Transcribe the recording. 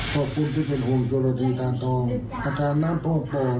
ขอบคุณที่เป็นห่วงกลุ่มรับทีทางตอนอาการน้ำโภคโปรด